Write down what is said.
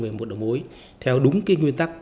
về một đầu mối theo đúng nguyên tắc